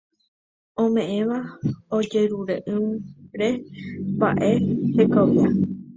ome'ẽva ojejerure'ỹre mba'e hekovia